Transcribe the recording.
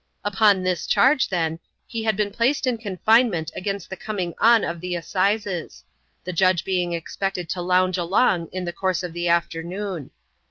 Upon this charge, then, he had been placed in confinement against the coming on of the assizes ; the judge being expected to lounge along in the course of the afternoon.